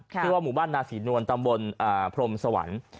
ชื่อว่าหมู่บ้านนาศรีนวลตำบลพรมสวรรค์